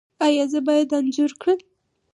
ایا زه باید انځور کړم؟